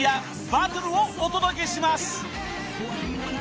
バトルをお届けします］